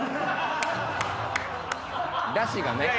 だしがね。